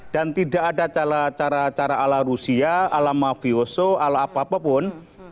dan tidak ada cara cara ala rusia ala mafioso ala apa apa pun